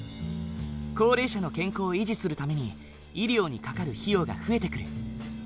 高齢者の健康を維持するために医療にかかる費用が増えてくる。